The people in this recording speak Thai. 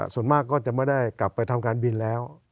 ส่วนมากก็จะไม่ได้กลับไปทำการบินแล้ว